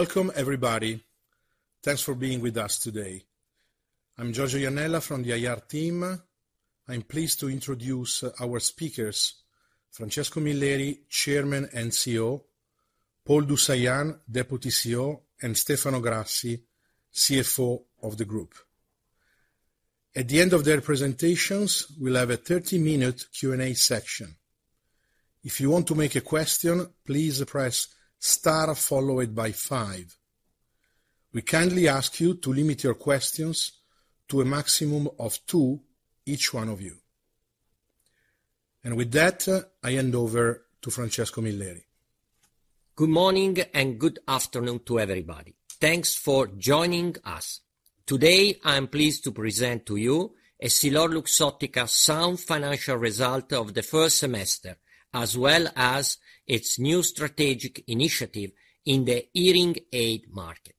Welcome, everybody. Thanks for being with us today. I'm Giorgio Iannella from the IR team. I'm pleased to introduce our speakers, Francesco Milleri, Chairman and CEO, Paul du Saillant, Deputy CEO, and Stefano Grassi, CFO of the group. At the end of their presentations, we'll have a 30-minute Q&A section. If you want to make a question, please press star, followed by five. We kindly ask you to limit your questions to a maximum of two, each one of you. With that, I hand over to Francesco Milleri. Good morning. Good afternoon to everybody. Thanks for joining us. Today, I'm pleased to present to you EssilorLuxottica's sound financial result of the first semester, as well as its new strategic initiative in the hearing aid market.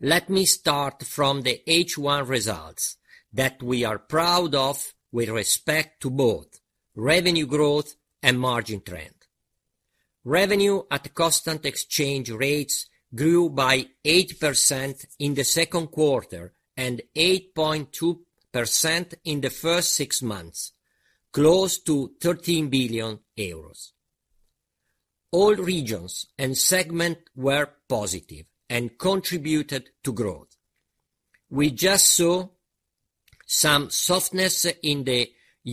Let me start from the H1 results that we are proud of with respect to both revenue growth and margin trend. Revenue at constant exchange rates grew by 8% in the second quarter and 8.2% in the first six months, close to 13 billion euros. All regions and segment were positive and contributed to growth. We just saw some softness in the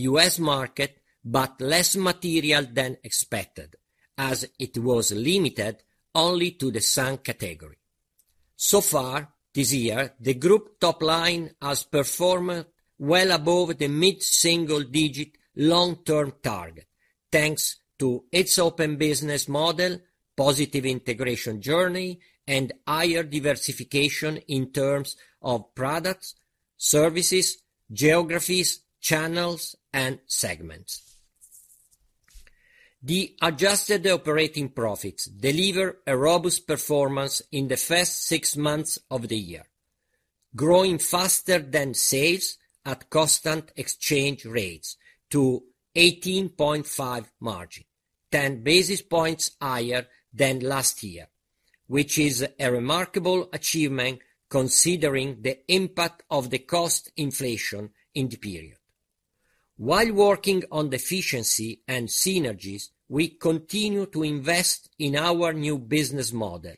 U.S. market, but less material than expected, as it was limited only to the sun category. So far, this year, the group top line has performed well above the mid-single digit long-term target, thanks to its open business model, positive integration journey, and higher diversification in terms of products, services, geographies, channels, and segments. The adjusted operating profits deliver a robust performance in the first 6 months of the year, growing faster than sales at constant exchange rates to 18.5% margin, 10 basis points higher than last year, which is a remarkable achievement considering the impact of the cost inflation in the period. While working on the efficiency and synergies, we continue to invest in our new business model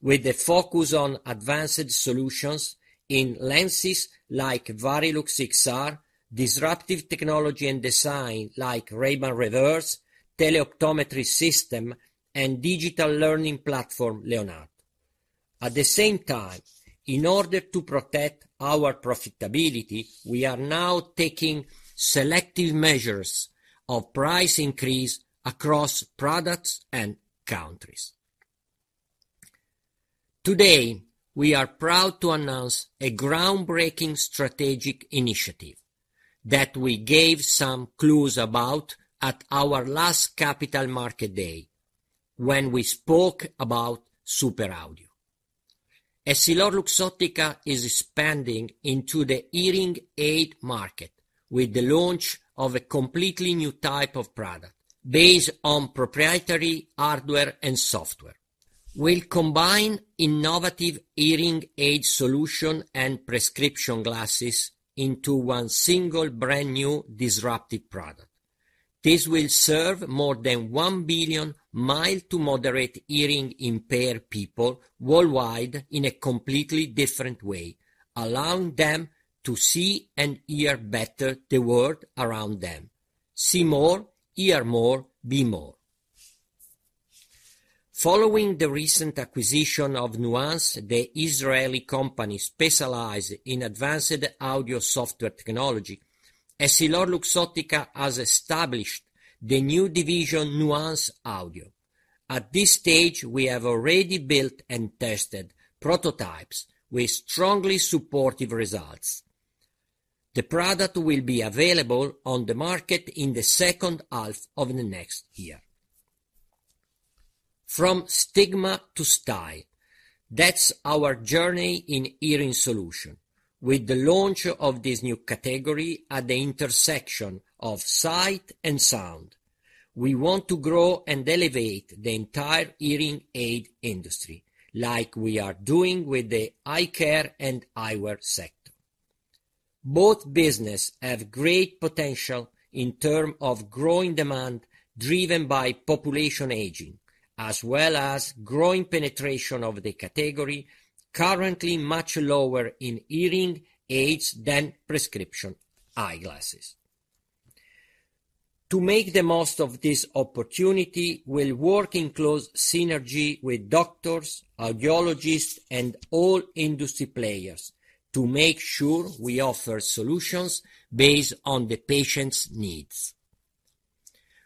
with a focus on advanced solutions in lenses like Varilux XR, disruptive technology and design like Ray-Ban Reverse, teleoptometry system, and digital learning platform, Leonardo. At the same time, in order to protect our profitability, we are now taking selective measures of price increase across products and countries. Today, we are proud to announce a groundbreaking strategic initiative that we gave some clues about at our last Capital Markets Day when we spoke about Super Audio. EssilorLuxottica is expanding into the hearing aid market with the launch of a completely new type of product based on proprietary hardware and software. We'll combine innovative hearing aid solution and prescription glasses into one single brand-new disruptive product. This will serve more than 1 billion mild to moderate hearing-impaired people worldwide in a completely different way, allowing them to see and hear better the world around them. See more, hear more, be more. Following the recent acquisition of Nuance, the Israeli company specialized in advanced audio software technology, EssilorLuxottica has established the new division, Nuance Audio. At this stage, we have already built and tested prototypes with strongly supportive results. The product will be available on the market in the second half of the next year. From stigma to style, that's our journey in hearing solution. With the launch of this new category at the intersection of sight and sound, we want to grow and elevate the entire hearing aid industry like we are doing with the eye care and eyewear sector. Both business have great potential in term of growing demand, driven by population aging, as well as growing penetration of the category, currently much lower in hearing aids than prescription eyeglasses. To make the most of this opportunity, we'll work in close synergy with doctors, audiologists, and all industry players to make sure we offer solutions based on the patient's needs.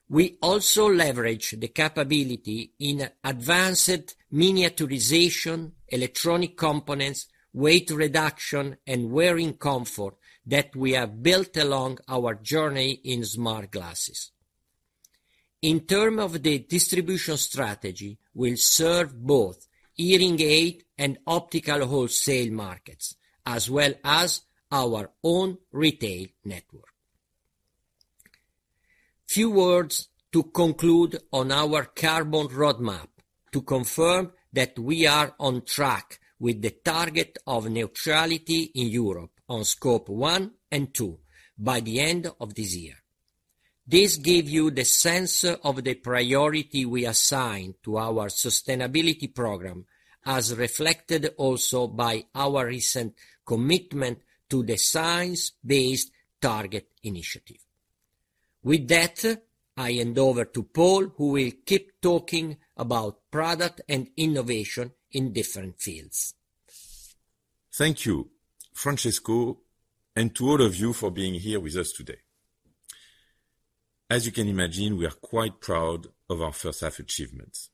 We also leverage the capability in advanced miniaturization, electronic components, weight reduction, and wearing comfort that we have built along our journey in smart glasses. In term of the distribution strategy, we'll serve both hearing aid and optical wholesale markets, as well as our own retail network. Few words to conclude on our carbon roadmap, to confirm that we are on track with the target of neutrality in Europe on Scope 1 and 2 by the end of this year. This give you the sense of the priority we assign to our sustainability program, as reflected also by our recent commitment to the Science Based Targets initiative. With that, I hand over to Paul, who will keep talking about product and innovation in different fields. Thank you, Francesco, and to all of you for being here with us today. As you can imagine, we are quite proud of our first half achievements.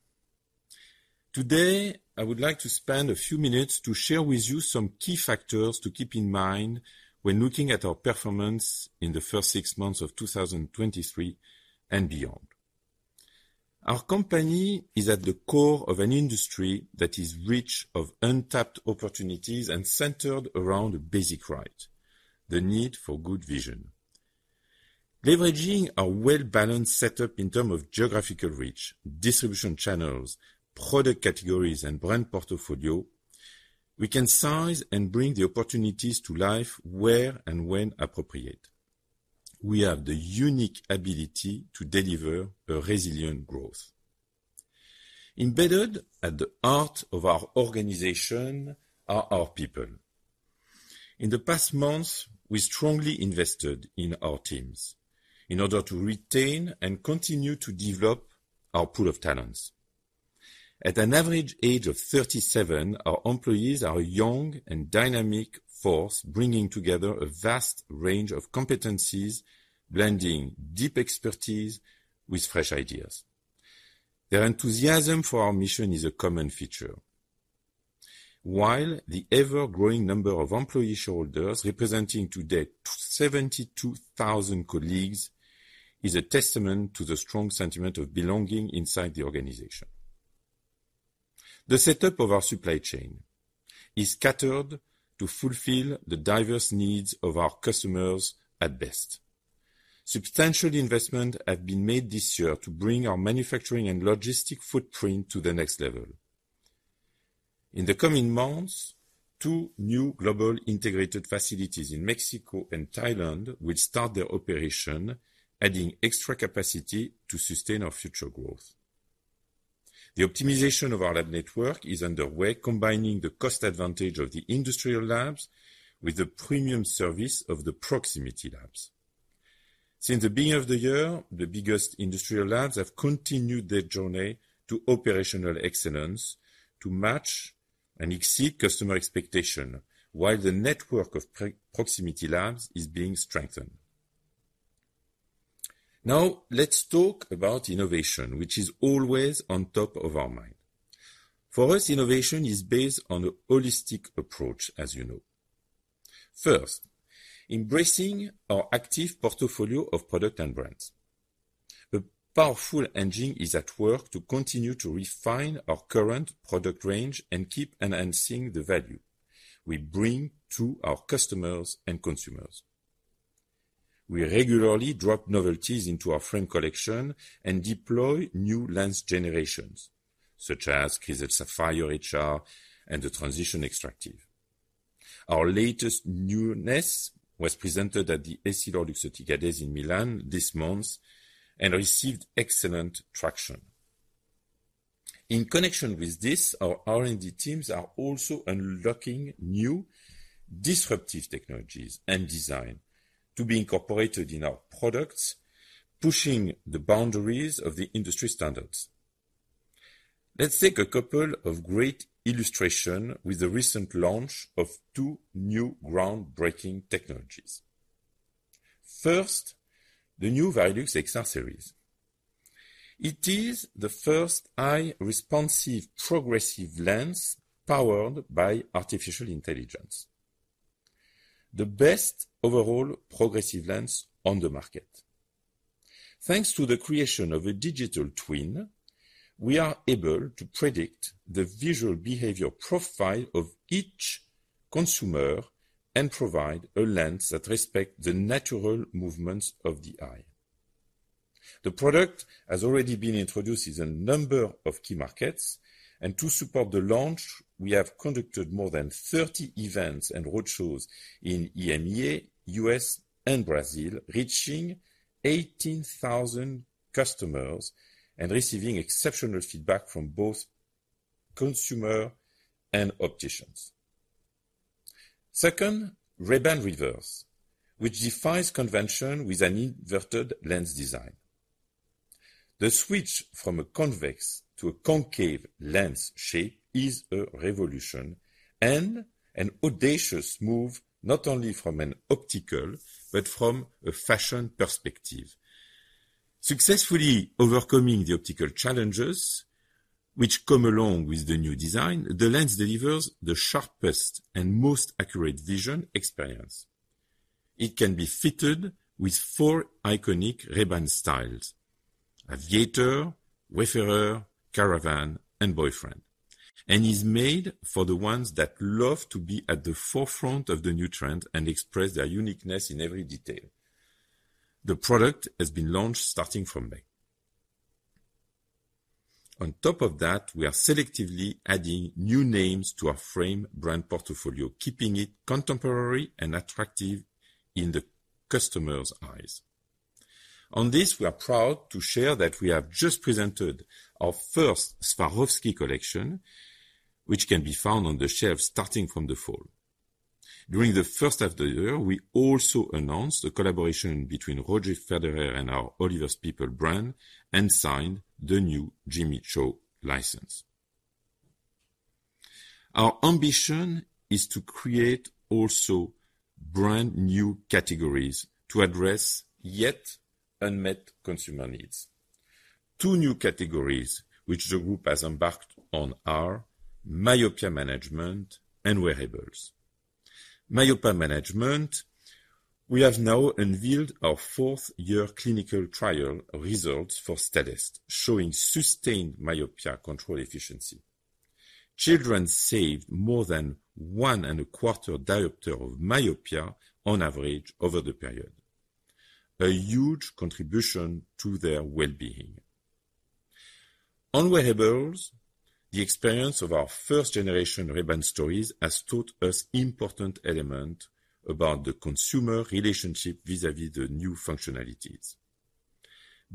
Today, I would like to spend a few minutes to share with you some key factors to keep in mind when looking at our performance in the first six months of 2023 and beyond. Our company is at the core of an industry that is rich of untapped opportunities and centered around a basic right, the need for good vision. Leveraging our well-balanced setup in terms of geographical reach, distribution channels, product categories, and brand portfolio, we can size and bring the opportunities to life where and when appropriate. We have the unique ability to deliver a resilient growth. Embedded at the heart of our organization are our people. In the past months, we strongly invested in our teams in order to retain and continue to develop our pool of talents. At an average age of 37, our employees are a young and dynamic force, bringing together a vast range of competencies, blending deep expertise with fresh ideas. Their enthusiasm for our mission is a common feature. While the ever-growing number of employee shareholders, representing today 72,000 colleagues, is a testament to the strong sentiment of belonging inside the organization. The setup of our supply chain is catered to fulfill the diverse needs of our customers at best. Substantial investment have been made this year to bring our manufacturing and logistic footprint to the next level. In the coming months, two new global integrated facilities in Mexico and Thailand will start their operation, adding extra capacity to sustain our future growth. The optimization of our lab network is underway, combining the cost advantage of the industrial labs with the premium service of the proximity labs. Since the beginning of the year, the biggest industrial labs have continued their journey to operational excellence to match and exceed customer expectation, while the network of proximity labs is being strengthened. Let's talk about innovation, which is always on top of our mind. For us, innovation is based on a holistic approach, as you know. Embracing our active portfolio of product and brands. A powerful engine is at work to continue to refine our current product range and keep enhancing the value we bring to our customers and consumers. We regularly drop novelties into our frame collection and deploy new lens generations, such as Crizal Sapphire HR and the Transitions XTRActive. Our latest newness was presented at the EssilorLuxottica Days in Milan this month and received excellent traction. In connection with this, our R&D teams are also unlocking new disruptive technologies and design to be incorporated in our products, pushing the boundaries of the industry standards. Let's take a couple of great illustration with the recent launch of two new groundbreaking technologies. First, the new Varilux XR series. It is the first eye-responsive progressive lens powered by artificial intelligence, the best overall progressive lens on the market. Thanks to the creation of a digital twin, we are able to predict the visual behavior profile of each consumer and provide a lens that respect the natural movements of the eye. The product has already been introduced in a number of key markets. To support the launch, we have conducted more than 30 events and roadshows in EMEA, U.S., and Brazil, reaching 18,000 customers and receiving exceptional feedback from both consumer and opticians. Second, Ray-Ban Reverse, which defies convention with an inverted lens design. The switch from a convex to a concave lens shape is a revolution and an audacious move, not only from an optical, but from a fashion perspective. Successfully overcoming the optical challenges which come along with the new design, the lens delivers the sharpest and most accurate vision experience. It can be fitted with four iconic Ray-Ban styles: Aviator, Wayfarer, Caravan, and Boyfriend, and is made for the ones that love to be at the forefront of the new trend and express their uniqueness in every detail. The product has been launched starting from May. On top of that, we are selectively adding new names to our frame brand portfolio, keeping it contemporary and attractive in the customer's eyes. On this, we are proud to share that we have just presented our first Swarovski collection, which can be found on the shelf starting from the fall. During the first half of the year, we also announced the collaboration between Roger Federer and our Oliver Peoples brand, and signed the new Jimmy Choo license. Our ambition is to create also brand new categories to address yet unmet consumer needs. Two new categories, which the group has embarked on are, myopia management and wearables. Myopia management, we have now unveiled our fourth year clinical trial results for Stellest, showing sustained myopia control efficiency. Children saved more than one and a quarter diopter of myopia on average over the period, a huge contribution to their well-being. On wearables, the experience of our first generation Ray-Ban Stories has taught us important element about the consumer relationship vis-à-vis the new functionalities.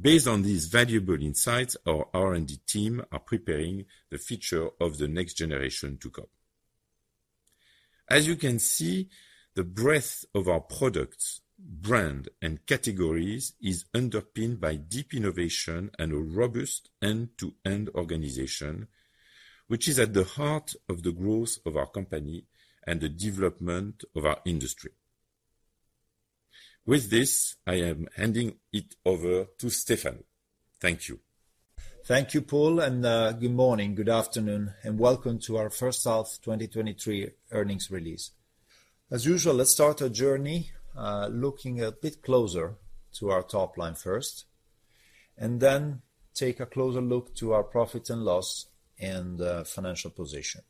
Based on these valuable insights, our R&D team are preparing the future of the next generation to come. As you can see, the breadth of our products, brand, and categories is underpinned by deep innovation and a robust end-to-end organization, which is at the heart of the growth of our company and the development of our industry. With this, I am handing it over to Stefan. Thank you. Thank you, Paul. Good morning, good afternoon, and welcome to our first half 2023 earnings release. As usual, let's start our journey looking a bit closer to our top line first, then take a closer look to our profit and loss and financial position.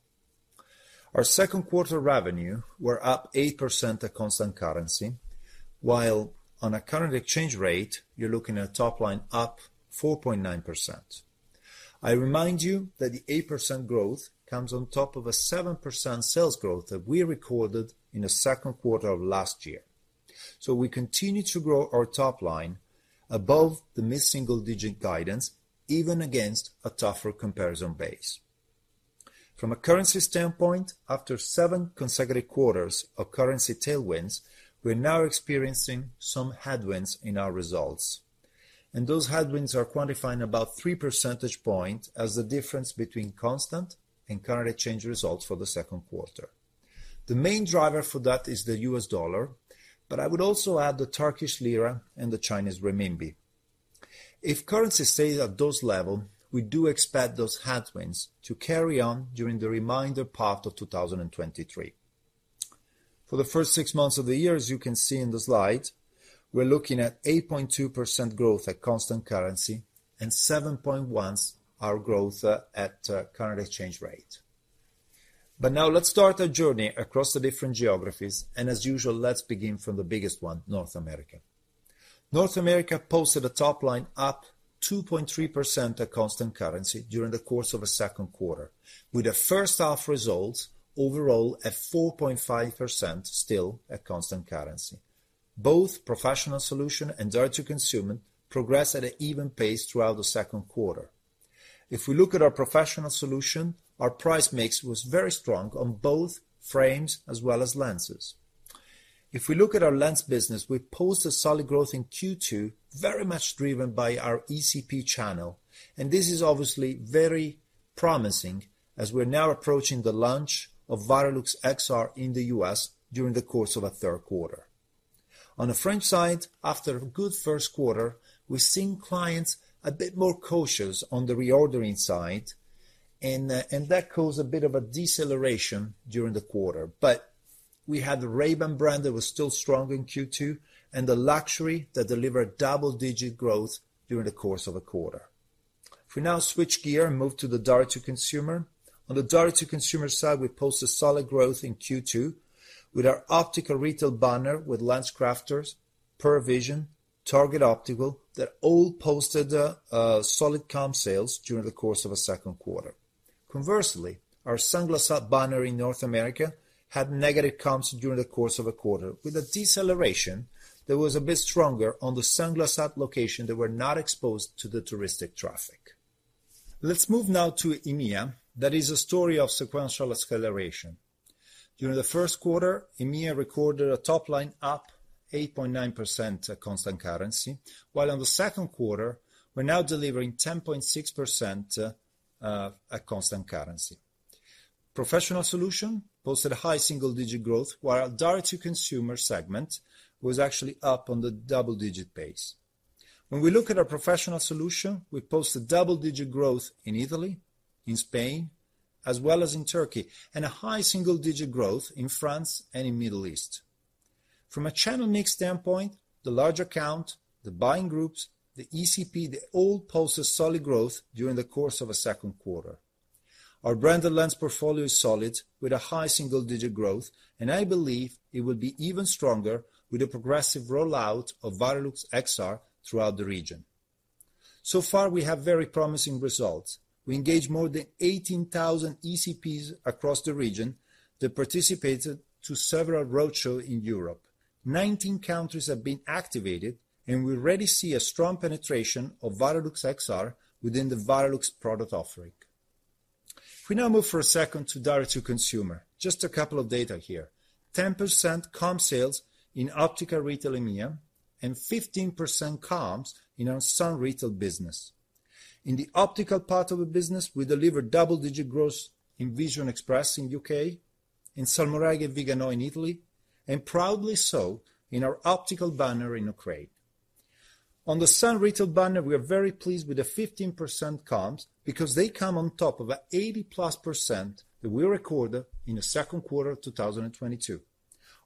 Our second quarter revenue were up 8% at constant currency, while on a current exchange rate, you're looking at top line up 4.9%. I remind you that the 8% growth comes on top of a 7% sales growth that we recorded in the second quarter of last year. We continue to grow our top line above the mid-single digit guidance, even against a tougher comparison base. From a currency standpoint, after 7 consecutive quarters of currency tailwinds, we're now experiencing some headwinds in our results. Those headwinds are quantifying about three percentage points as the difference between constant and current exchange results for the second quarter. The main driver for that is the US dollar, but I would also add the Turkish lira and the Chinese renminbi. If currency stays at those levels, we do expect those headwinds to carry on during the remainder part of 2023. For the first six months of the year, as you can see in the slide, we're looking at 8.2% growth at constant currency and 7.1 our growth at current exchange rate. Now let's start a journey across the different geographies, and as usual, let's begin from the biggest one, North America. North America posted a top line up 2.3% at constant currency during the course of a second quarter, with a first half result overall at 4.5%, still at constant currency. Both Professional Solutions and Direct to Consumer progress at an even pace throughout the second quarter. If we look at our Professional Solutions, our price mix was very strong on both frames as well as lenses. If we look at our lens business, we posted a solid growth in Q2, very much driven by our ECP channel. This is obviously very promising as we're now approaching the launch of Varilux XR in the U.S. during the course of a third quarter. On the French side, after a good first quarter, we've seen clients a bit more cautious on the reordering side, that caused a bit of a deceleration during the quarter. We had the Ray-Ban brand that was still strong in Q2, and the luxury that delivered double-digit growth during the course of a quarter. We now switch gear and move to the Direct to Consumer. On the Direct to Consumer side, we posted solid growth in Q2 with our optical retail banner, with LensCrafters, Pearle Vision, Target Optical, that all posted solid comp sales during the course of a second quarter. Conversely, our Sunglass Hut banner in North America had negative comps during the course of a quarter, with a deceleration that was a bit stronger on the Sunglass Hut location that were not exposed to the touristic traffic. Let's move now to EMEA. That is a story of sequential acceleration. During the first quarter, EMEA recorded a top line up 8.9% at constant currency, while on the second quarter, we're now delivering 10.6% at constant currency. Professional Solutions posted a high single-digit growth, while our Direct to Consumer consumer segment was actually up on the double-digit pace. When we look at our Professional Solutions, we post a double-digit growth in Italy, in Spain, as well as in Turkey, and a high single-digit growth in France and in Middle East. From a channel mix standpoint, the large account, the buying groups, the ECP, they all posted solid growth during the course of a second quarter. Our branded lens portfolio is solid, with a high single-digit growth, and I believe it will be even stronger with the progressive rollout of Varilux XR throughout the region. So far, we have very promising results. We engaged more than 18,000 ECPs across the region that participated to several roadshow in Europe. 19 countries have been activated, we already see a strong penetration of Varilux XR within the Varilux product offering. If we now move for a second to Direct to Consumer, just a couple of data here. 10% comp sales in optical retail EMEA, 15% comps in our sun retail business. In the optical part of the business, we delivered double-digit growth in Vision Express in U.K., in Salmoiraghi & Viganò in Italy, and proudly so, in our optical banner in Ukraine. On the sun retail banner, we are very pleased with the 15% comps because they come on top of 80%+ that we recorded in the 2Q 2022.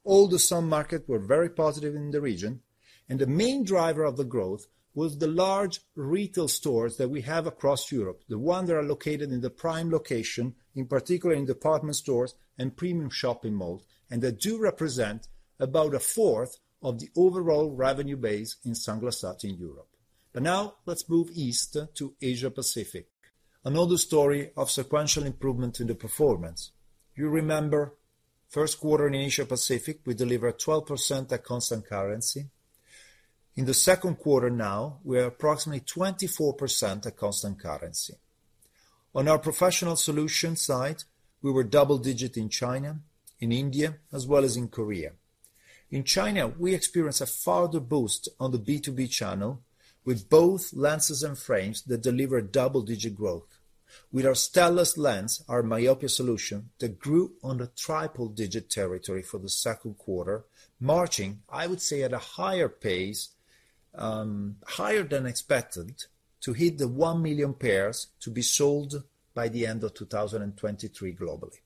All the sun markets were very positive in the region. The main driver of the growth was the large retail stores that we have across Europe, the ones that are located in the prime location, in particular in department stores and premium shopping malls, and that do represent about a fourth of the overall revenue base in Sunglass Hut in Europe. Now let's move east to Asia Pacific. Another story of sequential improvement in the performance. You remember, first quarter in Asia Pacific, we delivered 12% at constant currency. In the second quarter now, we are approximately 24% at constant currency. On our Professional Solutions side, we were double-digit in China, in India, as well as in Korea. In China, we experienced a farther boost on the B2B channel, with both lenses and frames that delivered double-digit growth. With our Stellest lens, our myopia solution, that grew on a triple-digit territory for the second quarter, marching, I would say, at a higher pace, higher than expected, to hit the 1 million pairs to be sold by the end of 2023 globally.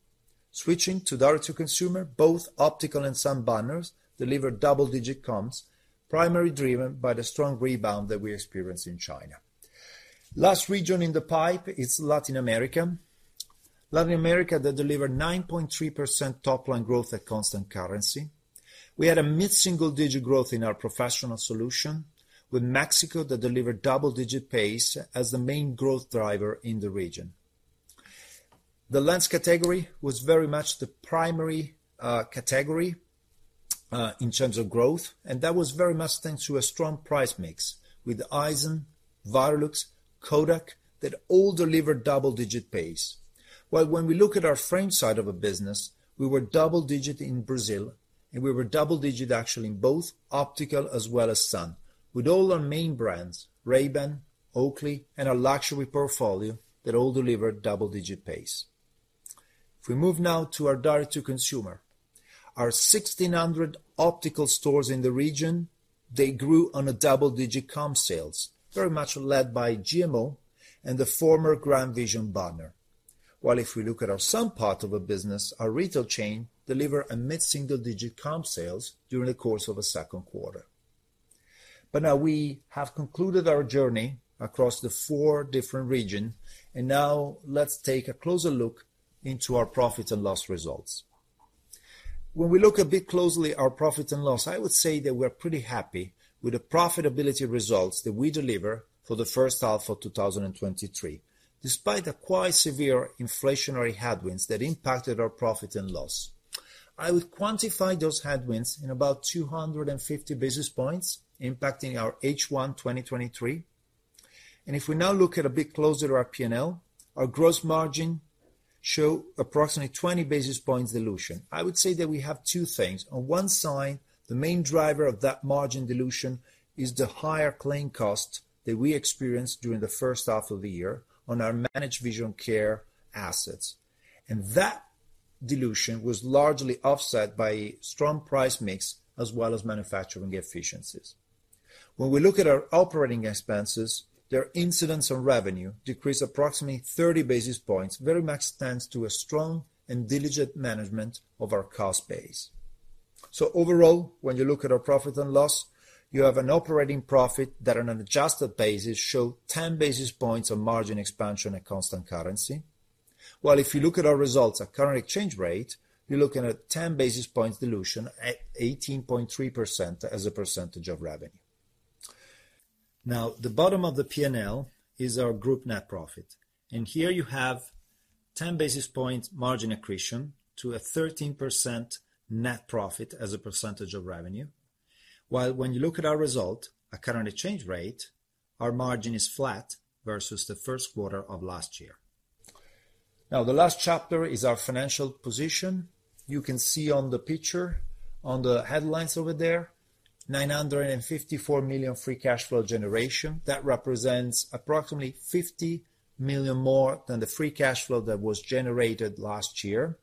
Switching to Direct to Consumer, both optical and sun banners delivered double-digit comps, primarily driven by the strong rebound that we experienced in China. Last region in the pipe is Latin America. Latin America, they delivered 9.3% top-line growth at constant currency. We had a mid-single-digit growth in our Professional Solutions, with Mexico that delivered double-digit pace as the main growth driver in the region. The lens category was very much the primary category in terms of growth, that was very much thanks to a strong price mix with Essilor, Varilux, Kodak, that all delivered double-digit pace. When we look at our frame side of a business, we were double-digit in Brazil, and we were double-digit actually in both optical as well as sun, with all our main brands, Ray-Ban, Oakley, and our luxury portfolio, that all delivered double-digit pace. If we move now to our Direct to Consumer, our 1,600 optical stores in the region, they grew on a double-digit comp sales, very much led by GMO and the former GrandVision banner. If we look at our sun part of a business, our retail chain deliver a mid-single-digit comp sales during the course of a second quarter. Now we have concluded our journey across the four different region, and now let's take a closer look into our profit and loss results. When we look a bit closely our profit and loss, I would say that we're pretty happy with the profitability results that we deliver for the first half of 2023, despite the quite severe inflationary headwinds that impacted our profit and loss. I would quantify those headwinds in about 250 basis points impacting our H1, 2023. If we now look at a bit closer at our P&L, our gross margin show approximately 20 basis points dilution. I would say that we have two things. On one side, the main driver of that margin dilution is the higher claim cost that we experienced during the first half of the year on our managed vision care assets. That dilution was largely offset by strong price mix as well as manufacturing efficiencies. When we look at our operating expenses, their incidence on revenue decreased approximately 30 basis points, very much thanks to a strong and diligent management of our cost base. Overall, when you look at our profit and loss, you have an operating profit that on an adjusted basis show 10 basis points of margin expansion at constant currency. If you look at our results at current exchange rate, you're looking at 10 basis points dilution at 18.3% as a percentage of revenue. The bottom of the P&L is our group net profit, and here you have 10 basis points margin accretion to a 13% net profit as a percentage of revenue. When you look at our result, at current exchange rate, our margin is flat versus the first quarter of last year. The last chapter is our financial position. You can see on the picture, on the headlines over there, 954 million free cash flow generation. That represents approximately 50 million more than the free cash flow that was generated last year,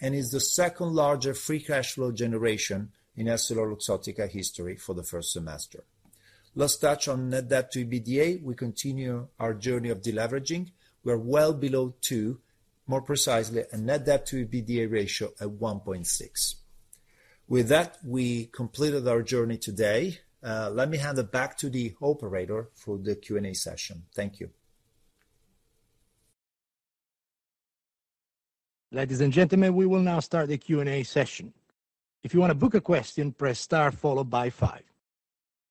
is the second larger free cash flow generation in EssilorLuxottica history for the first semester. Last touch on net debt to EBITDA, we continue our journey of deleveraging. We are well below 2x, more precisely, a net debt to EBITDA ratio of 1.6x. With that, we completed our journey today. Let me hand it back to the operator for the Q&A session. Thank you. Ladies and gentlemen, we will now start the Q&A session. If you want to book a question, press star followed by five.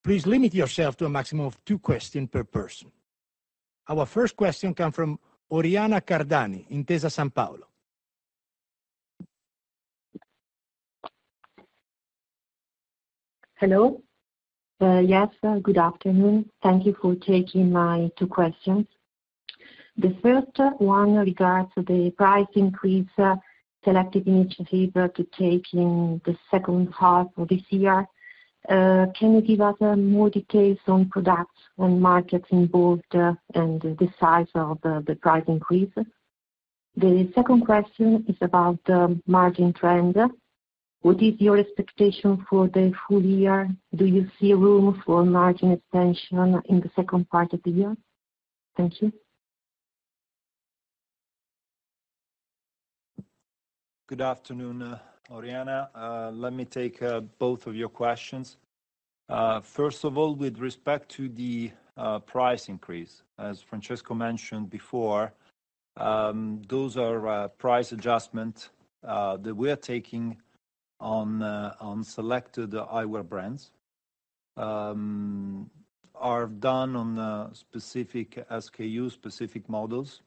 Please limit yourself to a maximum of two questions per person. Our first question come from Oriana Cardani, Intesa Sanpaolo. Hello. Yes, good afternoon. Thank you for taking my two questions. The first one regards to the price increase, selective initiative to take in the second half of this year. Can you give us more details on products, on markets in both, and the size of the price increase? The second question is about the margin trend. What is your expectation for the full year? Do you see room for margin expansion in the second part of the year? Thank you. Good afternoon, Oriana. Let me take both of your questions. First of all, with respect to the price increase, as Francesco mentioned before, those are price adjustment that we're taking on selected eyewear brands. Are done on a specific SKU, specific models.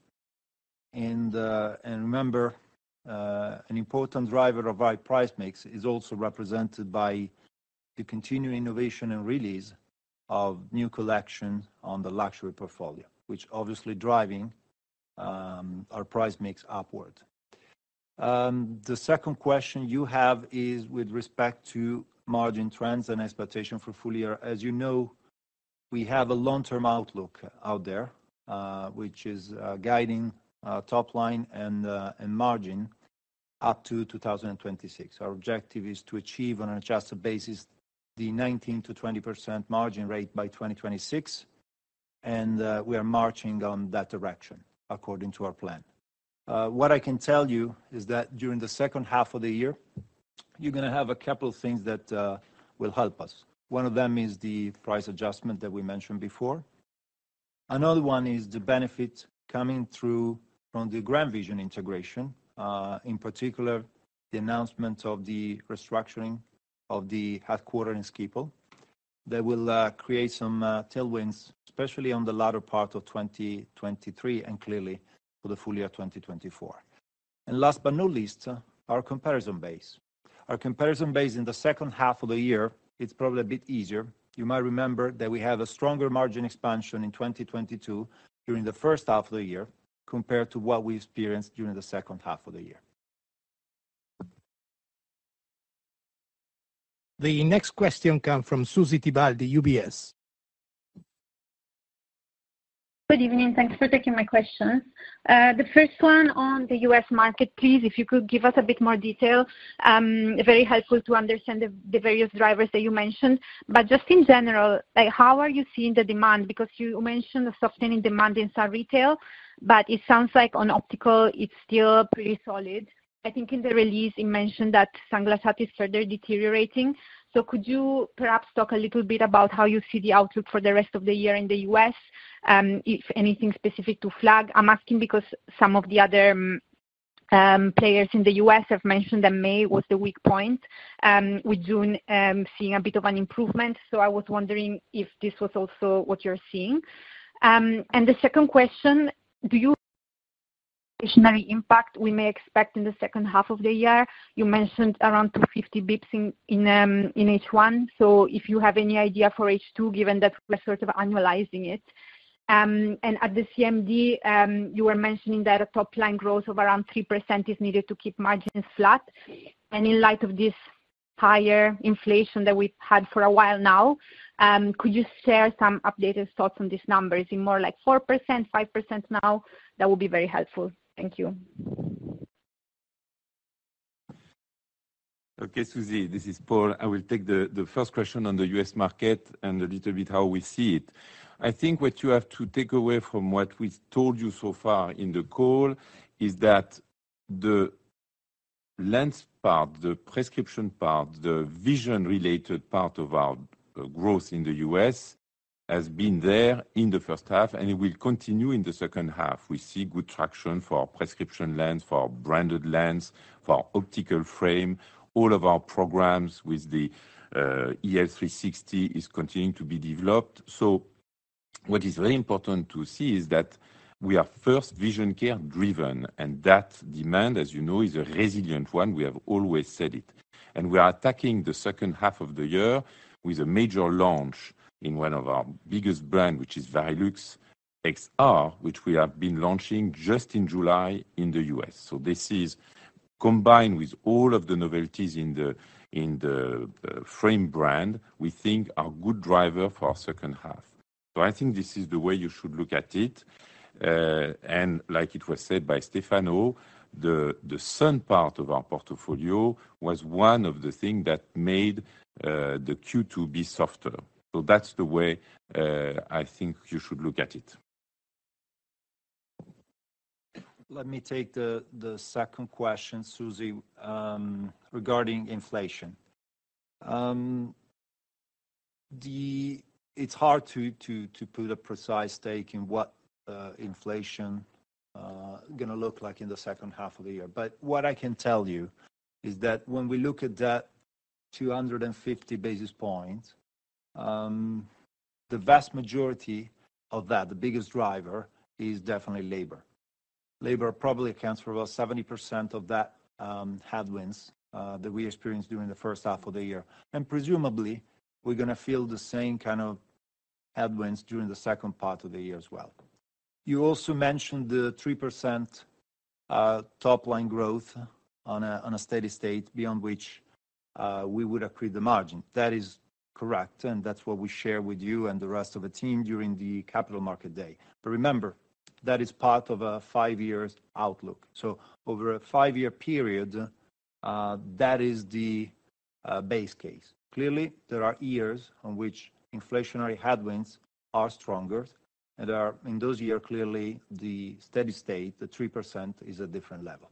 Remember, an important driver of our price mix is also represented by the continuing innovation and release of new collection on the luxury portfolio, which obviously driving our price mix upward. The second question you have is with respect to margin trends and expectation for full year. As you know, we have a long-term outlook out there, which is guiding our top line and margin up to 2026. Our objective is to achieve on an adjusted basis the 19%-20% margin rate by 2026, we are marching on that direction according to our plan. What I can tell you is that during the second half of the year, you're gonna have a couple of things that will help us. One of them is the price adjustment that we mentioned before. Another one is the benefit coming through from the GrandVision integration, in particular, the announcement of the restructuring of the headquarter in Schiphol, that will create some tailwinds, especially on the latter part of 2023 and clearly for the full year 2024. Last but not least, our comparison base. Our comparison base in the second half of the year, it's probably a bit easier. You might remember that we have a stronger margin expansion in 2022 during the first half of the year, compared to what we experienced during the second half of the year. The next question come from Susy Tibaldi, UBS. Good evening. Thanks for taking my question. The first one on the U.S. market, please, if you could give us a bit more detail. Very helpful to understand the various drivers that you mentioned. Just in general, like, how are you seeing the demand? You mentioned a softening demand in some retail, but it sounds like on optical, it's still pretty solid. I think in the release, you mentioned that sunglasses is further deteriorating. Could you perhaps talk a little bit about how you see the outlook for the rest of the year in the U.S., if anything specific to flag? I'm asking because some of the other players in the U.S. have mentioned that May was the weak point, with June seeing a bit of an improvement. I was wondering if this was also what you're seeing. The second question: impact we may expect in the second half of the year? You mentioned around 250 basis points in H1, so if you have any idea for H2, given that we're sort of annualizing it. At the CMD, you were mentioning that a top line growth of around 3% is needed to keep margins flat. In light of this higher inflation that we've had for a while now, could you share some updated thoughts on these numbers? Is it more like 4%, 5% now? That would be very helpful. Thank you. Okay, Susy, this is Paul. I will take the first question on the U.S. market and a little bit how we see it. I think what you have to take away from what we've told you so far in the call is that the lens part, the prescription part, the vision-related part of our growth in the U.S., has been there in the first half, and it will continue in the second half. We see good traction for prescription lens, for branded lens, for optical frame. All of our programs with the EL 360 is continuing to be developed. What is very important to see is that we are first vision care driven, and that demand, as you know, is a resilient one. We have always said it. We are attacking the second half of the year with a major launch in one of our biggest brand, which is Varilux XR, which we have been launching just in July in the U.S. This is combined with all of the novelties in the, in the frame brand, we think are a good driver for our second half. I think this is the way you should look at it. And like it was said by Stefano, the sun part of our portfolio was one of the thing that made the Q2 be softer. That's the way I think you should look at it. Let me take the second question, Susy, regarding inflation. It's hard to put a precise take in what inflation gonna look like in the second half of the year. What I can tell you is that when we look at that 250 basis points, the vast majority of that, the biggest driver, is definitely labor. Labor probably accounts for about 70% of that headwinds that we experienced during the first half of the year. Presumably, we're gonna feel the same kind of headwinds during the second part of the year as well. You also mentioned the 3% top line growth on a steady state, beyond which we would accrete the margin. That is correct, and that's what we share with you and the rest of the team during the Capital Markets Day. Remember, that is part of a five years outlook. Over a five-year period, that is the base case. Clearly, there are years on which inflationary headwinds are stronger, in those year, clearly, the steady state, the 3%, is a different level.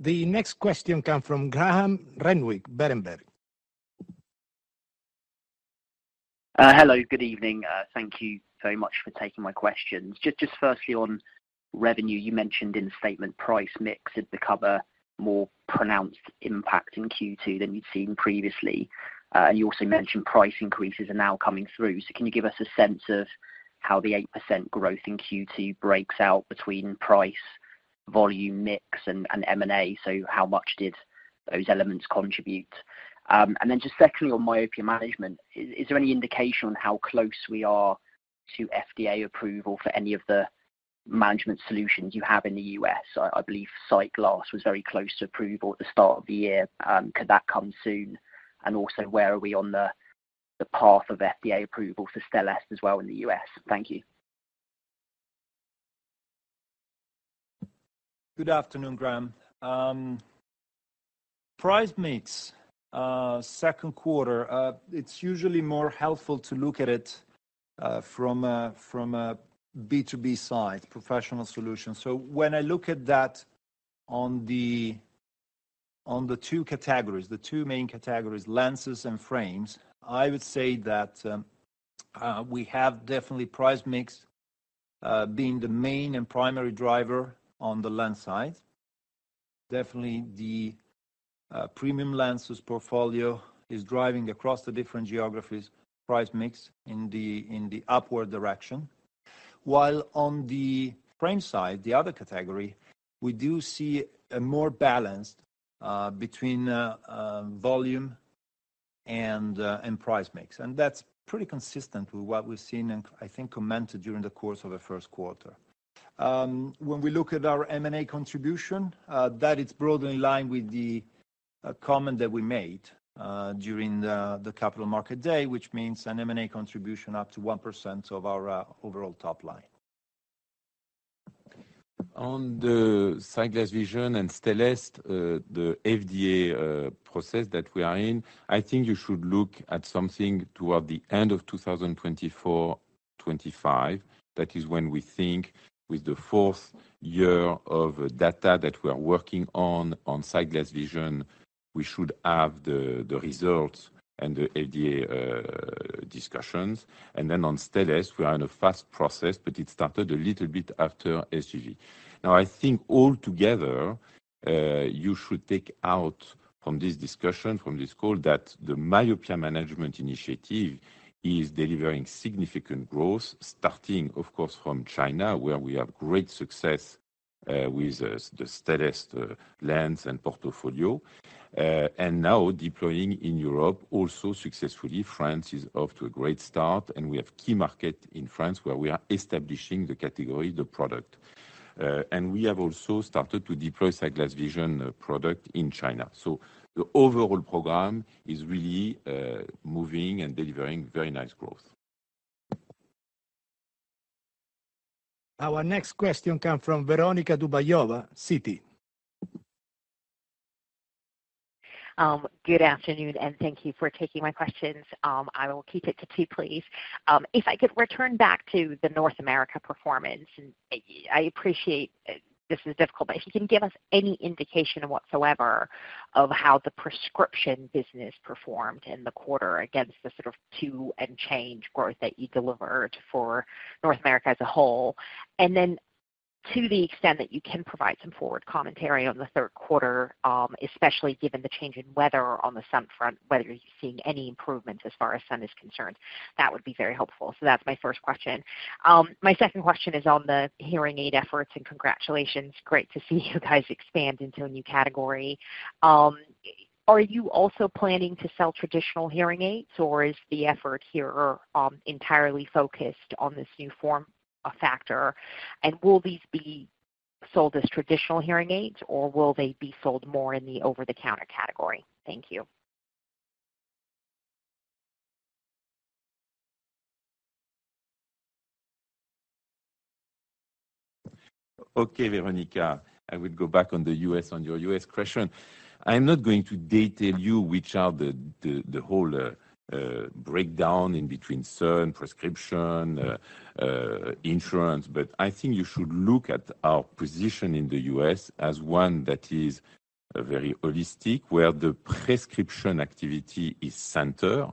The next question come from Graham Renwick, Berenberg. Hello, good evening. Thank you very much for taking my questions. Just firstly, on revenue, you mentioned in the statement price mix had the cover more pronounced impact in Q2 than you'd seen previously. You also mentioned price increases are now coming through. Can you give us a sense of how the 8% growth in Q2 breaks out between price, volume, mix, and M&A? How much did those elements contribute? Then just secondly, on myopia management, is there any indication on how close we are to FDA approval for any of the management solutions you have in the U.S.? I believe SightGlass Vision was very close to approval at the start of the year. Could that come soon? Also, where are we on the path of FDA approval for Stellest as well in the U.S.? Thank you. Good afternoon, Graham. Price mix, second quarter, it's usually more helpful to look at it from a B2B side, Professional Solutions. When I look at that on the two categories, the two main categories, lenses and frames, I would say that we have definitely price mix being the main and primary driver on the lens side. Definitely the premium lenses portfolio is driving across the different geographies, price mix in the upward direction. On the frame side, the other category, we do see a more balanced between volume and price mix, and that's pretty consistent with what we've seen, and I think commented during the course of the first quarter. When we look at our M&A contribution, that is broadly in line with the comment that we made during the Capital Markets Day, which means an M&A contribution up to 1% of our overall top line. On the SightGlass Vision and Stellest, the FDA process that we are in, I think you should look at something toward the end of 2024, 2025. That is when we think with the fourth year of data that we are working on SightGlass Vision, we should have the results and the FDA discussions. On Stellest, we are in a fast process, but it started a little bit after SVB. I think altogether, you should take out from this discussion, from this call, that the myopia management initiative is delivering significant growth, starting, of course, from China, where we have great success with the Stellest lens and portfolio. Now deploying in Europe, also successfully, France is off to a great start, and we have key market in France, where we are establishing the category, the product. We have also started to deploy SightGlass Vision vision product in China. The overall program is really moving and delivering very nice growth. Our next question come from Veronika Dubajova, Citi. Good afternoon, and thank you for taking my questions. I will keep it to two, please. If I could return back to the North America performance, and I appreciate, this is difficult, but if you can give us any indication whatsoever of how the prescription business performed in the quarter against the sort of 2% and change growth that you delivered for North America as a whole. To the extent that you can provide some forward commentary on the third quarter, especially given the change in weather on the Sun front, whether you're seeing any improvements as far as Sun is concerned, that would be very helpful. That's my first question. My second question is on the hearing aid efforts, and congratulations, great to see you guys expand into a new category. Are you also planning to sell traditional hearing aids, or is the effort here entirely focused on this new form factor? Will these sold as traditional hearing aids, or will they be sold more in the over-the-counter category? Thank you. Veronika, I will go back on the U.S., on your U.S. question. I'm not going to detail you, which are the, the whole breakdown in between sun, prescription, insurance. I think you should look at our position in the U.S. as one that is very holistic, where the prescription activity is center.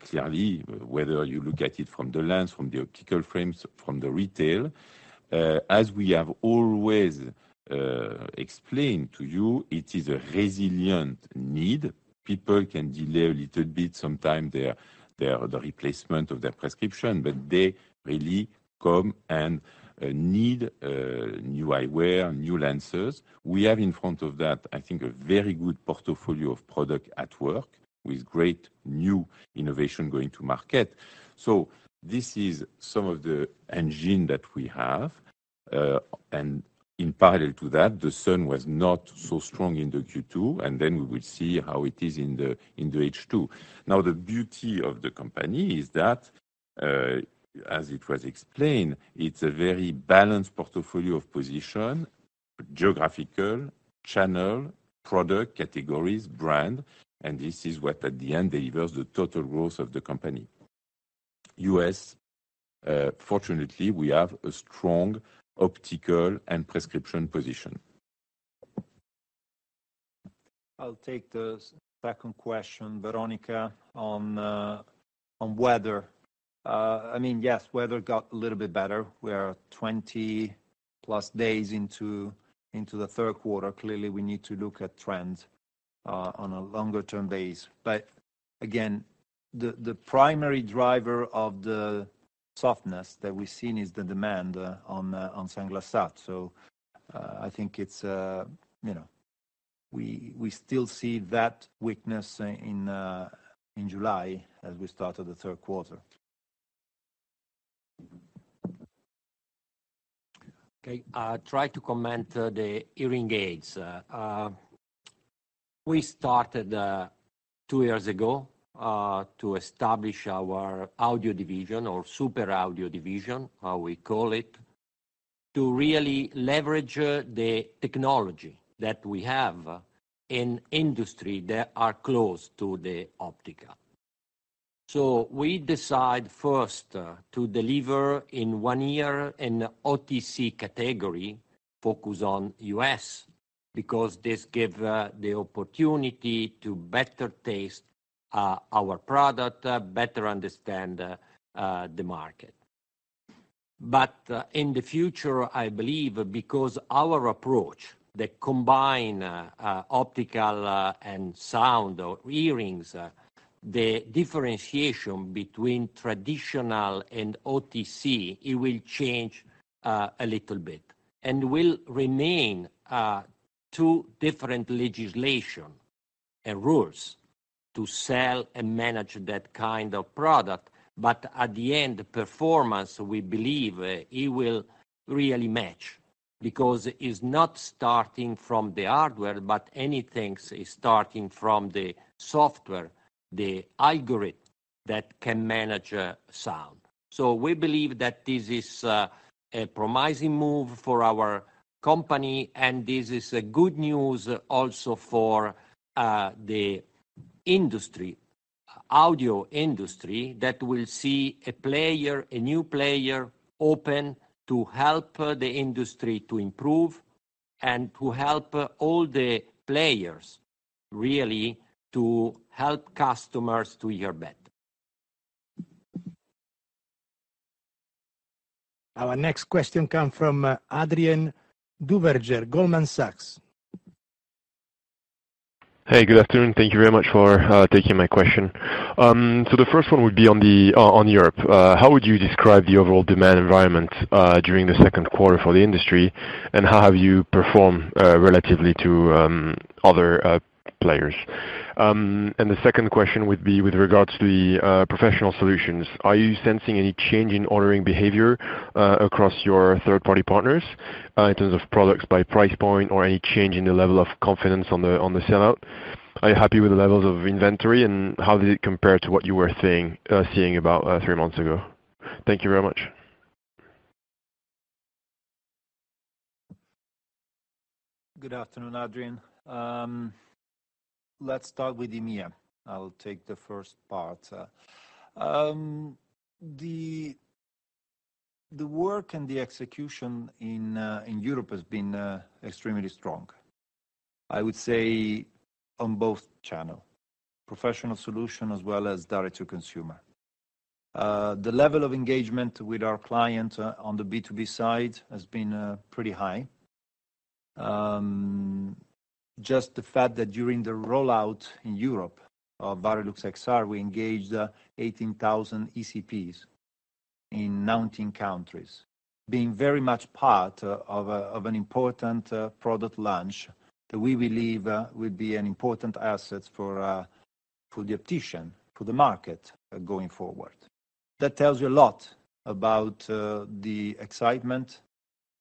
Clearly, whether you look at it from the lens, from the optical frames, from the retail, as we have always explained to you, it is a resilient need. People can delay a little bit, sometimes their, the replacement of their prescription, but they really come and need new eyewear, new lenses. We have in front of that, I think, a very good portfolio of product at work, with great new innovation going to market. This is some of the engine that we have. In parallel to that, the Sun was not so strong in the Q2. We will see how it is in the H2. The beauty of the company is that, as it was explained, it's a very balanced portfolio of position, geographical, channel, product, categories, brand, and this is what at the end delivers the total growth of the company. US, fortunately, we have a strong optical and prescription position. I'll take the second question, Veronika, on on weather. I mean, yes, weather got a little bit better. We are 20-plus days into the third quarter. Clearly, we need to look at trends on a longer-term basis. Again, the primary driver of the softness that we've seen is the demand on on sunglass sales. I think it's, you know, we still see that weakness in July as we started the third quarter. Okay, I try to comment the hearing aids. We started two years ago to establish our audio division or Super Audio division, how we call it, to really leverage the technology that we have in industry that are close to the optical. We decide first to deliver in one year an OTC category, focus on U.S. because this give the opportunity to better taste our product, better understand the market. In the future, I believe because our approach that combine optical and sound or hearings, the differentiation between traditional and OTC, it will change a little bit. Will remain two different legislation and rules to sell and manage that kind of product. At the end, the performance, we believe, it will really match because it's not starting from the hardware, but anything is starting from the software, the algorithm that can manage sound. We believe that this is a promising move for our company, and this is a good news also for the industry, audio industry, that will see a player, a new player, open to help the industry to improve and to help all the players, really, to help customers to hear better. Our next question come from Adrien Duverger, Goldman Sachs. Hey, good afternoon. Thank you very much for taking my question. The first one would be on Europe. How would you describe the overall demand environment during the second quarter for the industry? How have you performed relatively to other players? The second question would be with regards to the Professional Solutions. Are you sensing any change in ordering behavior across your third-party partners in terms of products by price point or any change in the level of confidence on the sell-out? Are you happy with the levels of inventory, and how does it compare to what you were seeing about three months ago? Thank you very much. Good afternoon, Adrien. Let's start with EMEA. I'll take the first part. The work and the execution in Europe has been extremely strong, I would say on both channel, Professional Solutions as well as Direct to Consumer. The level of engagement with our client on the B2B side has been pretty high. Just the fact that during the rollout in Europe of Varilux XR, we engaged 18,000 ECPs in 19 countries, being very much part of an important product launch that we believe will be an important asset for the optician, for the market going forward. That tells you a lot about the excitement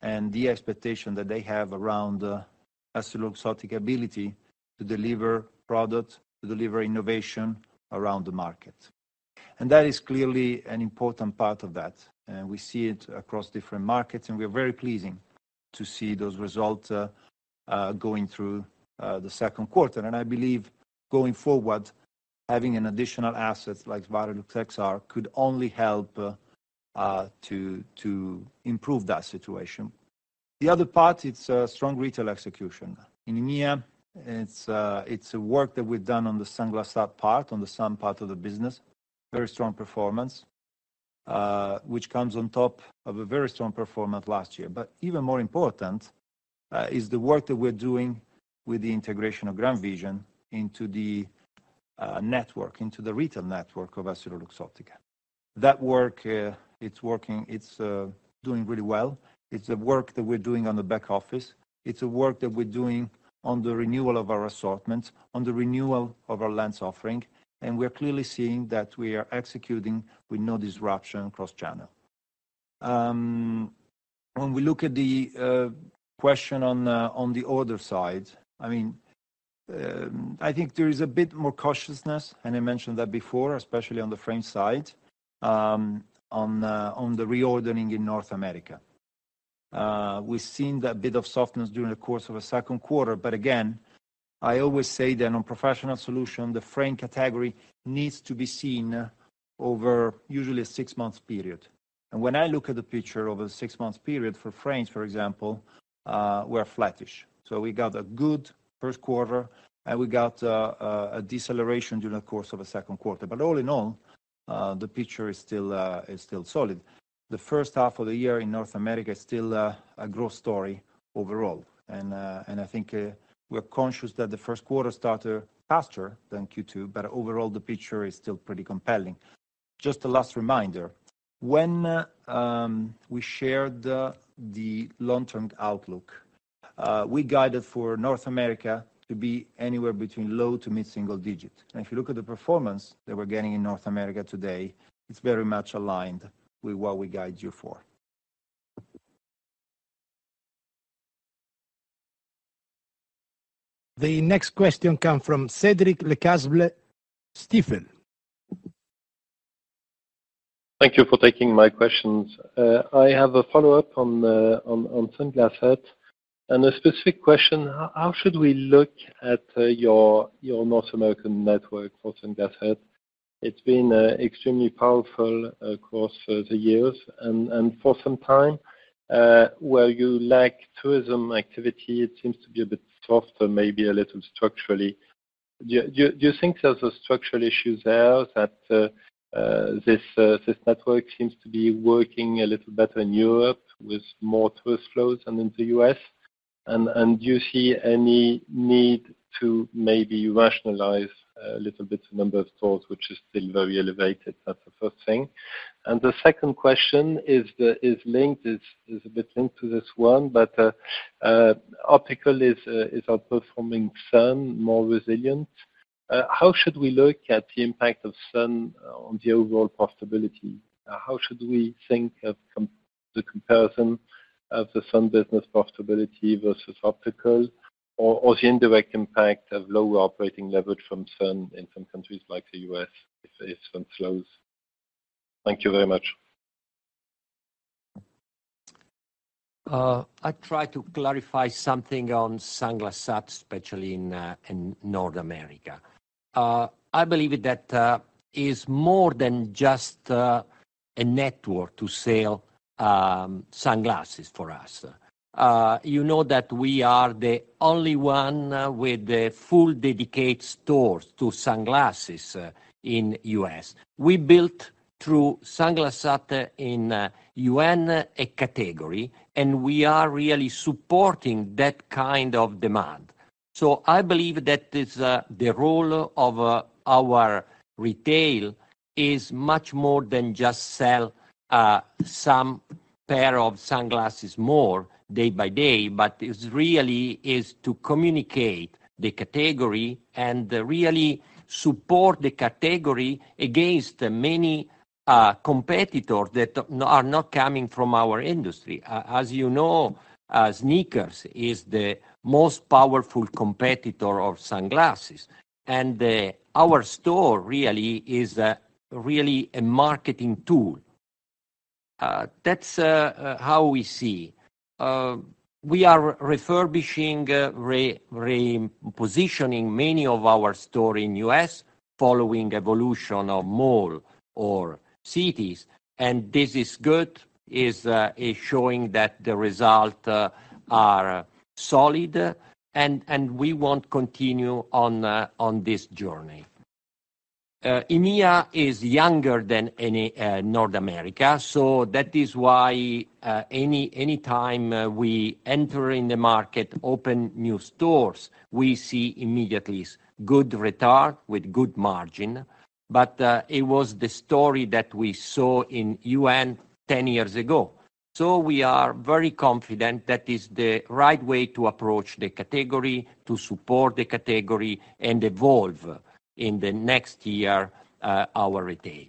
and the expectation that they have around EssilorLuxottica ability to deliver product, to deliver innovation around the market. That is clearly an important part of that, and we see it across different markets, and we are very pleasing to see those results going through the second quarter. I believe going forward, having an additional asset like Varilux XR could only help to improve that situation. The other part, it's a strong retail execution. In EMEA, it's a work that we've done on the Sunglass Hut part, on the sun part of the business. Very strong performance, which comes on top of a very strong performance last year. Even more important, is the work that we're doing with the integration of GrandVision into the network, into the retail network of EssilorLuxottica. That work, it's working, it's doing really well. It's a work that we're doing on the back office. It's a work that we're doing on the renewal of our assortment, on the renewal of our lens offering. We are clearly seeing that we are executing with no disruption cross-channel. When we look at the question on the order side, I mean, I think there is a bit more cautiousness, and I mentioned that before, especially on the frame side, on the reordering in North America. We've seen that bit of softness during the course of the second quarter. Again, I always say that on Professional Solutions, the frame category needs to be seen over usually a six-month period. When I look at the picture over the six-month period for frames, for example, we're flattish. We got a good first quarter, and we got a deceleration during the course of the second quarter. All in all, the picture is still solid. The first half of the year in North America is still a growth story overall, I think, we're conscious that the first quarter started faster than Q2, but overall, the picture is still pretty compelling. Just a last reminder, when we shared the long-term outlook, we guided for North America to be anywhere between low to mid single digit. If you look at the performance that we're getting in North America today, it's very much aligned with what we guide you for. The next question come from Cédric Lecasble, Stifel. Thank you for taking my questions. I have a follow-up on Sunglass Hut, and a specific question, how should we look at your North American network for Sunglass Hut? It's been extremely powerful across the years and for some time, where you lack tourism activity, it seems to be a bit softer, maybe a little structurally. Do you think there's a structural issue there that this network seems to be working a little better in Europe with more tourist flows than in the U.S.? And do you see any need to maybe rationalize a little bit the number of stores, which is still very elevated? That's the first thing. The second question is linked, is a bit linked to this one, but optical is outperforming sun, more resilient. How should we look at the impact of sun on the overall profitability? How should we think of the comparison of the sun business profitability versus optical or the indirect impact of lower operating leverage from sun in some countries like the U.S., if sun slows? Thank you very much. I try to clarify something on Sunglass Hut, especially in North America. I believe that it's more than just a network to sell sunglasses for us. You know that we are the only one with the full dedicated stores to sunglasses in U.S. We built through Sunglass Hut in sun, a category, and we are really supporting that kind of demand. I believe that is the role of our retail is much more than just sell some pair of sunglasses more day by day, but it's really is to communicate the category and really support the category against the many competitors that are not coming from our industry. As you know, sneakers is the most powerful competitor of sunglasses, and our store really is a really a marketing tool. That's how we see. We are refurbishing, repositioning many of our store in U.S. following evolution of mall or cities, and this is good, is showing that the result are solid, and we want continue on this journey. EMEA is younger than North America, so that is why anytime we enter in the market, open new stores, we see immediately good return with good margin, but it was the story that we saw in sun 10 years ago. We are very confident that is the right way to approach the category, to support the category, and evolve in the next year our retail.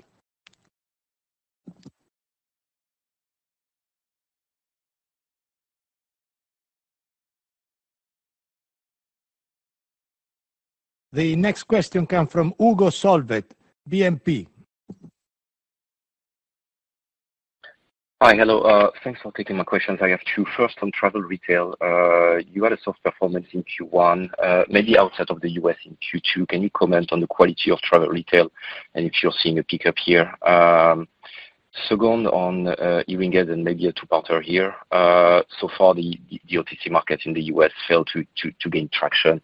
The next question come from Hugo Solvet, BNP. Hi. Hello, thanks for taking my questions. I have two. First, on travel retail, you had a soft performance in Q1, maybe outside of the U.S. in Q2. Can you comment on the quality of travel retail and if you're seeing a pickup here? Second, on hearing aid, and maybe a two-parter here. So far, the OTC market in the U.S. failed to gain traction.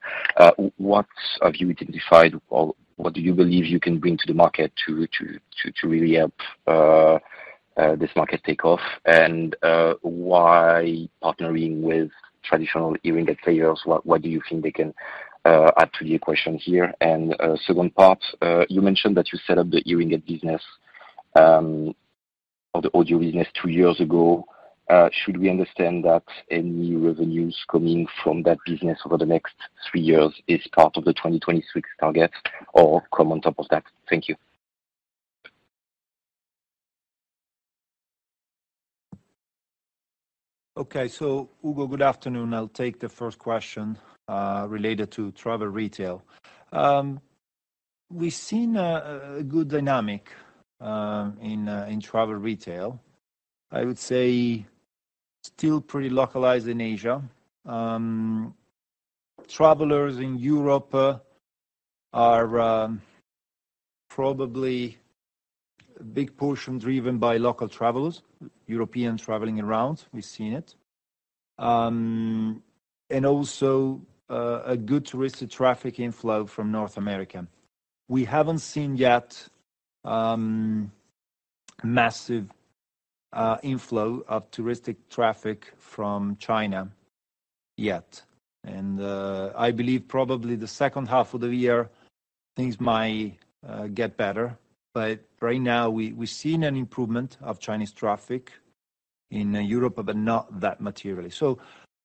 What have you identified or what do you believe you can bring to the market to really help this market take off? Why partnering with traditional hearing aid players, what do you think they can add to the equation here? Second part, you mentioned that you set up the hearing aid business or the audio business two years ago. Should we understand that any revenues coming from that business over the next three years is part of the 2026 target or come on top of that? Thank you. Okay. Hugo, good afternoon. I'll take the first question related to travel retail. We've seen a good dynamic in travel retail. I would say still pretty localized in Asia. Travelers in Europe are probably a big portion driven by local travelers, Europeans traveling around. We've seen it. Also, a good touristic traffic inflow from North America. We haven't seen yet massive inflow of touristic traffic from China yet, I believe probably the second half of the year, things might get better. Right now, we've seen an improvement of Chinese traffic in Europe, but not that materially.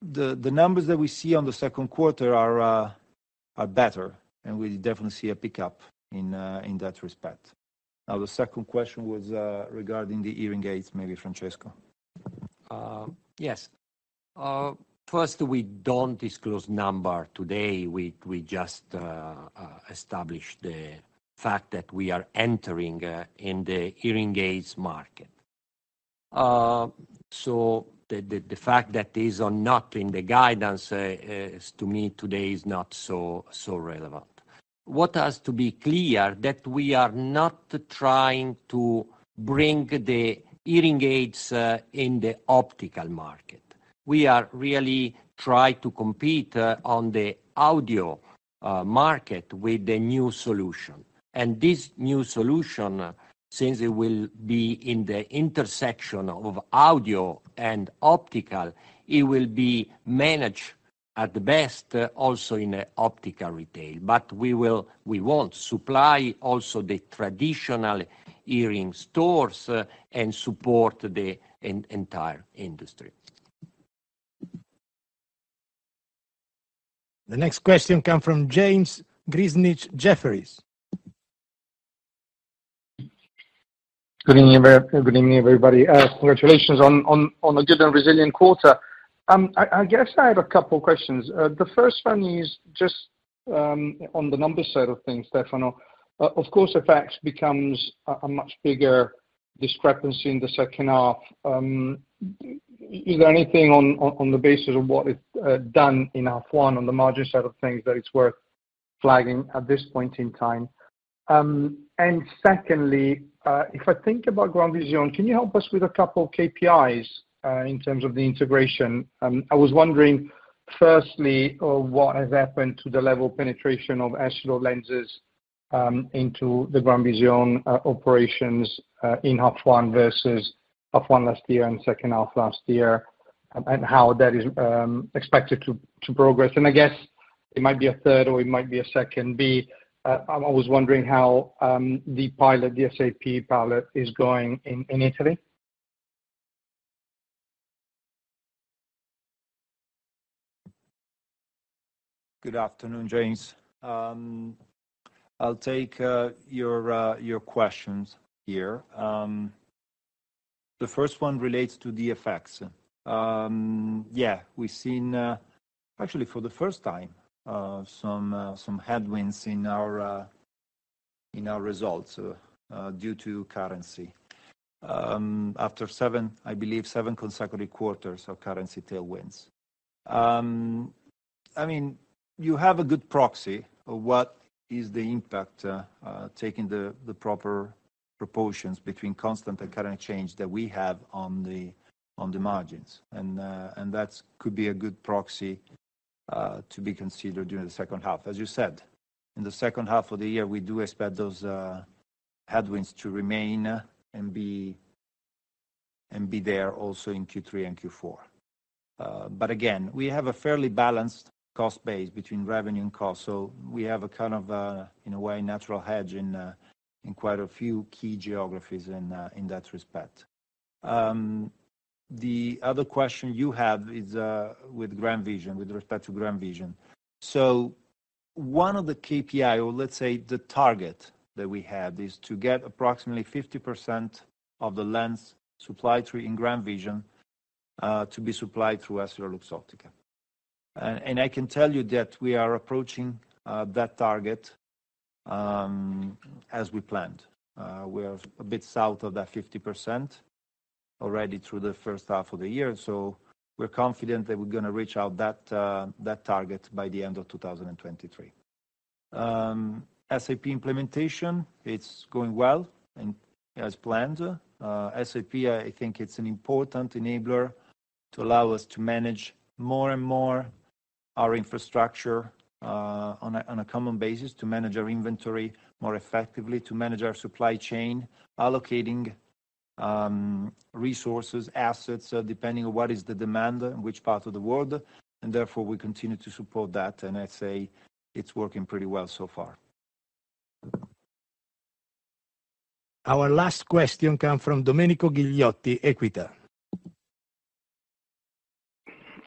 The numbers that we see on the second quarter are better, we definitely see a pickup in that respect. The second question was regarding the hearing aids. Maybe Francesco. Yes. First, we don't disclose number today. We just establish the fact that we are entering in the hearing aids market. The fact that these are not in the guidance to me today is not so relevant. What has to be clear, that we are not trying to bring the hearing aids in the optical market. We are really trying to compete on the audio market with the new solution. This new solution, since it will be in the intersection of audio and optical, it will be managed at the best also in optical retail. We want supply also the traditional hearing stores and support the entire industry. The next question come from James Grzinic, Jefferies. Good evening, everybody. Congratulations on a good and resilient quarter. I guess I have a couple questions. The first one is just on the numbers side of things, Stefano. Of course, the facts becomes a much bigger discrepancy in the second half. Is there anything on the basis of what is done in half one on the margin side of things that it's worth flagging at this point in time? Secondly, if I think about GrandVision, can you help us with a couple of KPIs in terms of the integration? I was wondering, firstly, what has happened to the level of penetration of Essilor lenses into the GrandVision operations in half one versus half one last year and second half last year, and how that is expected to progress? I guess it might be a third or it might be a second B, I was wondering how the pilot, the SAP pilot is going in Italy. Good afternoon, James. I'll take your questions here. The first one relates to the effects. Yeah, we've seen actually, for the first time, some headwinds in our results due to currency. After seven, I believe, seven consecutive quarters of currency tailwinds. I mean, you have a good proxy of what is the impact taking the proper proportions between constant and current change that we have on the margins. That could be a good proxy to be considered during the second half. As you said, in the second half of the year, we do expect those headwinds to remain and be there also in Q3 and Q4. Again, we have a fairly balanced cost base between revenue and cost, we have a kind of, in a way, natural hedge in quite a few key geographies in that respect. The other question you have is with GrandVision, with respect to GrandVision. One of the KPI, or let's say the target that we have, is to get approximately 50% of the lens supplied through in GrandVision to be supplied through EssilorLuxottica. I can tell you that we are approaching that target as we planned. We are a bit south of that 50% already through the first half of the year, we're confident that we're gonna reach out that target by the end of 2023. SAP implementation, it's going well and as planned. SAP, I think it's an important enabler to allow us to manage more and more our infrastructure, on a common basis, to manage our inventory more effectively, to manage our supply chain, allocating, resources, assets, depending on what is the demand in which part of the world, and therefore we continue to support that, and I'd say it's working pretty well so far. Our last question come from Domenico Ghilotti, Equita.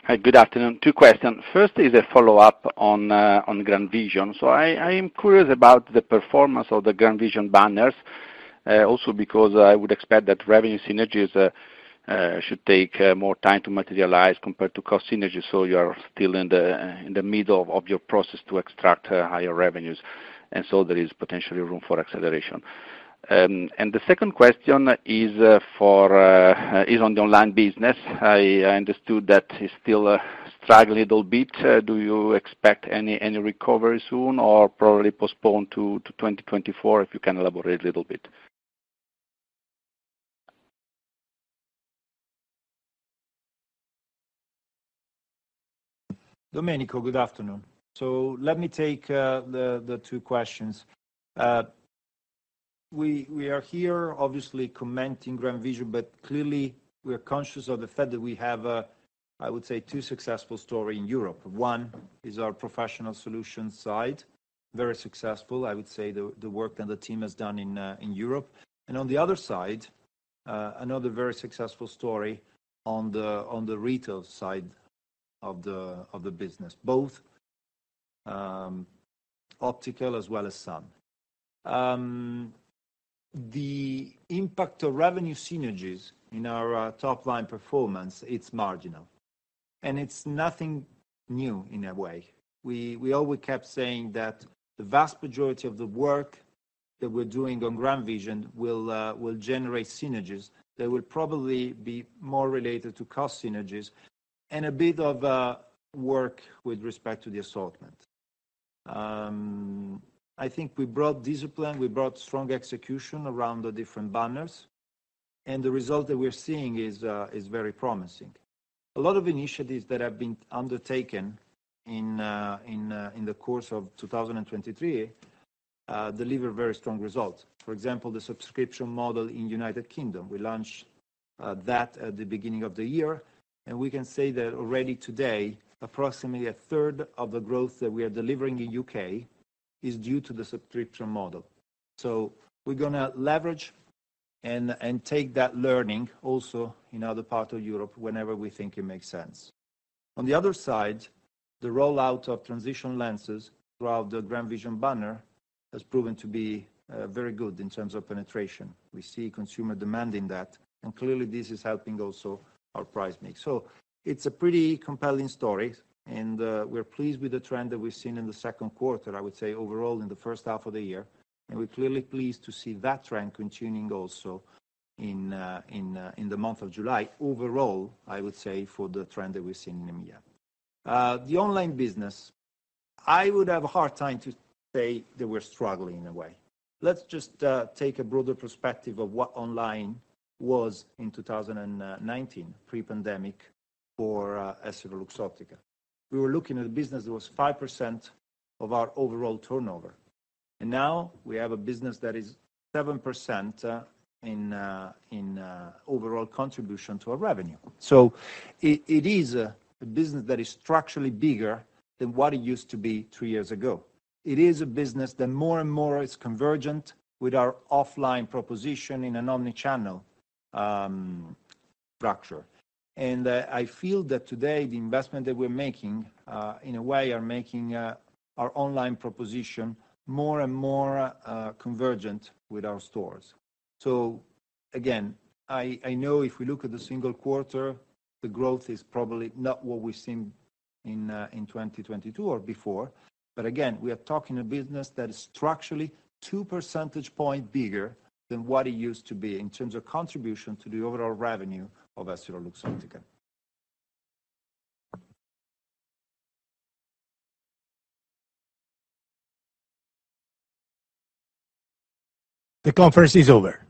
Hi, good afternoon. Two questions. First is a follow-up on GrandVision. I am curious about the performance of the GrandVision banners, also because I would expect that revenue synergies should take more time to materialize compared to cost synergies, so you're still in the middle of your process to extract higher revenues, there is potentially room for acceleration. The second question is on the online business. I understood that it's still struggle a little bit. Do you expect any recovery soon or probably postponed to 2024? If you can elaborate a little bit. Domenico, good afternoon. Let me take the two questions. We are here obviously commenting GrandVision, but clearly we are conscious of the fact that we have, I would say, two successful story in Europe. One is our Professional Solutions side, very successful, I would say, the work that the team has done in Europe. On the other side, another very successful story on the retail side of the business, both optical as well as sun. The impact of revenue synergies in our top-line performance, it's marginal, and it's nothing new in a way. We always kept saying that the vast majority of the work that we're doing on GrandVision will generate synergies that will probably be more related to cost synergies and a bit of work with respect to the assortment. I think we brought discipline, we brought strong execution around the different banners, and the result that we're seeing is very promising. A lot of initiatives that have been undertaken in the course of 2023 deliver very strong results. For example, the subscription model in United Kingdom, we launched that at the beginning of the year, and we can say that already today, approximately a third of the growth that we are delivering in UK is due to the subscription model. We're gonna leverage and take that learning also in other parts of Europe whenever we think it makes sense. On the other side, the rollout of transition lenses throughout the GrandVision banner has proven to be very good in terms of penetration. We see consumer demanding that, and clearly, this is helping also our price mix. It's a pretty compelling story, and we're pleased with the trend that we've seen in the second quarter, I would say overall in the first half of the year, and we're clearly pleased to see that trend continuing also in the month of July, overall, I would say for the trend that we've seen in EMEA. The online business, I would have a hard time to say that we're struggling in a way. Let's just take a broader perspective of what online was in 2019, pre-pandemic for EssilorLuxottica. We were looking at a business that was 5% of our overall turnover, and now we have a business that is 7% in overall contribution to our revenue. It is a business that is structurally bigger than what it used to be three years ago. It is a business that more and more is convergent with our offline proposition in an omni-channel structure. I feel that today, the investment that we're making in a way are making our online proposition more and more convergent with our stores. Again, I know if we look at the single quarter, the growth is probably not what we've seen in 2022 or before. Again, we are talking a business that is structurally two percentage point bigger than what it used to be in terms of contribution to the overall revenue of EssilorLuxottica. The conference is over.